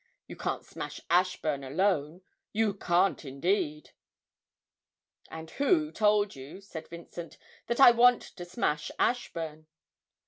You can't smash Ashburn alone you can't indeed!' 'And who told you,' said Vincent, 'that I want to smash Ashburn?'